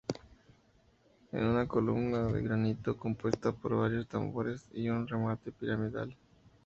Es una columna de granito compuesta por varios tambores, y un remate piramidal.